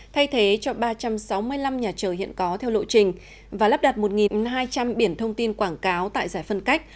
thay thế cho ba trăm sáu mươi năm nhà chờ hiện có theo lộ trình và lắp đặt một hai trăm linh biển thông tin quảng cáo tại giải phân cách